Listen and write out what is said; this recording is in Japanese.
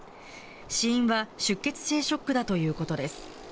死因は出血性ショックだということです。